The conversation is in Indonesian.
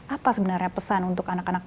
apa sebenarnya pesan untuk anak anak